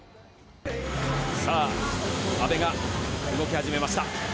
さあ、阿部が動き始めました。